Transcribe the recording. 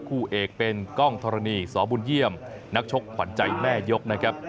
คู่เอกเป็นกล้องธรณีสบุญเยี่ยมนักชกขวัญใจแม่ยกนะครับ